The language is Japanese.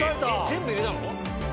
全部入れたの？